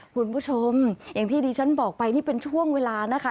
คุณผู้ชมอย่างที่ดิฉันบอกไปนี่เป็นช่วงเวลานะคะ